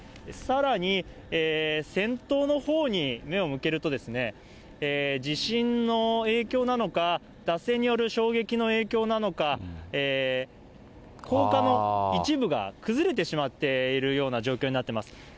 さらに先頭のほうに目を向けると、地震の影響なのか、脱線による衝撃の影響なのか、高架の一部が崩れてしまっているような状況になってます。